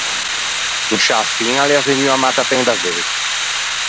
In sciâ fin, a l’ea vegnua matta pe in davei.